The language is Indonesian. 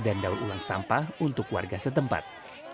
dan daun ulang sampah untuk warga setempat